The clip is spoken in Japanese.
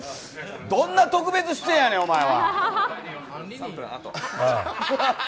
どんな特別出演やねん、お前は。